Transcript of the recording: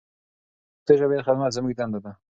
د پښتو ژبې خدمت زموږ دنده ده.